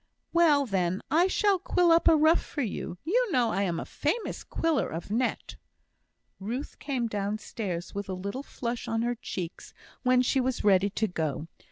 "Well; then, I shall quill up a ruff for you. You know I am a famous quiller of net." Ruth came downstairs with a little flush on her cheeks when she was ready to go.